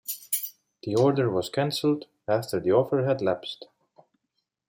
The order was cancelled after the offer had lapsed.